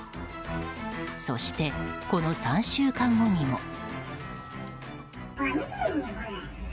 そして、この３週間後にも。